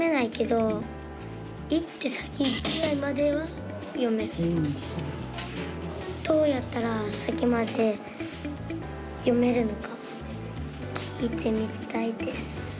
どうやったら先まで読めるのか聞いてみたいです。